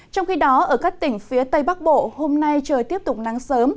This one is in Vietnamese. trong khi đó ở các tỉnh phía tây bắc bộ hôm nay trời tiếp tục nắng sớm